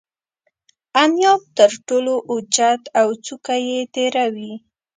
انیاب تر ټولو اوچت او څوکه یې تیره وي.